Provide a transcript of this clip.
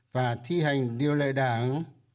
và thi hành điều lợi đảng